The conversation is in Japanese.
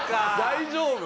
大丈夫？